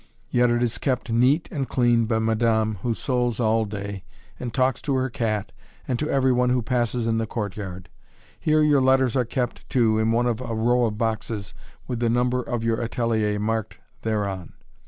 Yet it is kept neat and clean by madame, who sews all day and talks to her cat and to every one who passes into the court yard. Here your letters are kept, too, in one of a row of boxes, with the number of your atelier marked thereon.